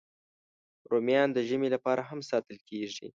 رومیان د ژمي لپاره هم ساتل کېږي